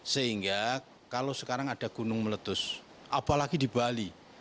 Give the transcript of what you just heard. sehingga kalau sekarang ada gunung meletus apalagi di bali